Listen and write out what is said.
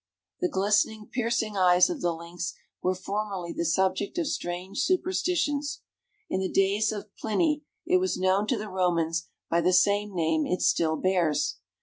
The glistening, piercing eyes of the lynx were formerly the subject of strange superstitions. In the days of Pliny it was known to the Romans by the same name it still bears.